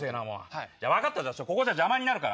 いや、分かった、ここじゃ邪魔になるから。